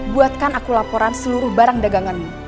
buatkan aku laporan seluruh barang daganganmu